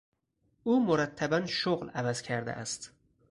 او مرتبا شغل عوض کرده است.